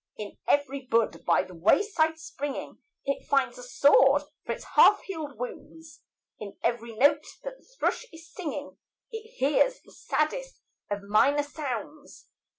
In every bud by the wayside springing It finds a sword for its half healed wounds; In every note that the thrush is singing It hears the saddest of minor sounds.